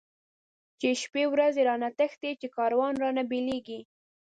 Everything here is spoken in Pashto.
چی شپی ورځی رانه تښتی، چی کاروان رانه بيليږی